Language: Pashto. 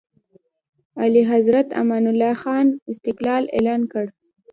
اعلیحضرت امان الله خان استقلال اعلان کړ.